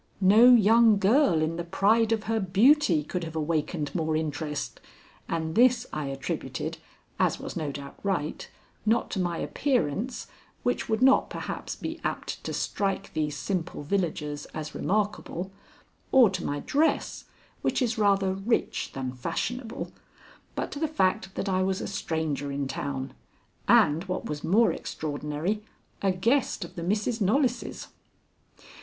No young girl in the pride of her beauty could have awakened more interest, and this I attributed, as was no doubt right, not to my appearance, which would not perhaps be apt to strike these simple villagers as remarkable, or to my dress, which is rather rich than fashionable, but to the fact that I was a stranger in town, and, what was more extraordinary, a guest of the Misses Knollys.